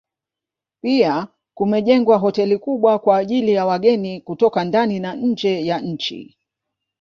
Pia kumejengwa hoteli kubwa kwa ajili ya wageni kutoka ndani na nje ya nchi